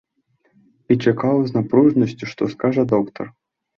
І чакаў з напружанасцю, што скажа доктар.